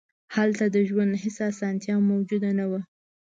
هلته د ژوند هېڅ اسانتیا موجود نه وه.